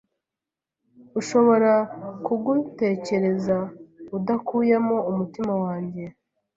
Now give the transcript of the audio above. ushobora kugutekereza udakuyemo umutima wanjye